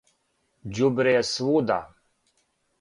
Ђубре је свуда.